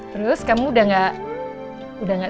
terus kamu udah ga